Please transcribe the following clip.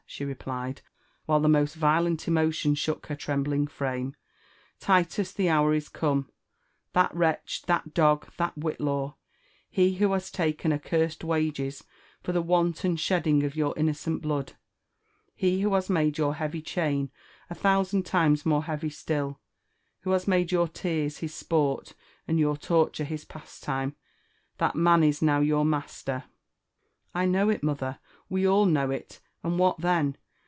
*' she replied, while the most violent emotion shook her trembling frame, —'* Titus! the hour is come ! That wretch, that dog, that Whitlaw— hewhohas taken accursed wages for the wanton shed ding of your innocent blood — he who has made your heavy chain a thousand times more heavy still, who has made your tears his sport and your torture his pastime,— that man is now your master." "I know it, mother! — we all know it; and what then?